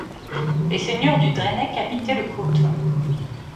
Les seigneurs du Drennec habitaient le Coat.